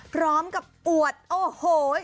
พร้อมกับอวดโอ้โห